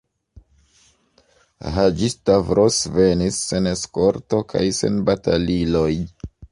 Haĝi-Stavros venis, sen eskorto kaj sen bataliloj.